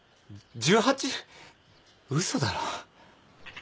嘘だろ。